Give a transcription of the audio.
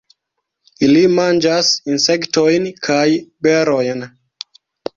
Ili manĝas insektojn kaj berojn.